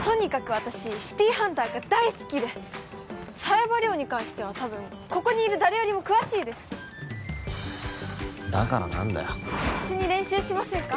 私「シティーハンター」が大好きで冴羽に関しては多分ここにいる誰よりも詳しいですだから何だよ一緒に練習しませんか？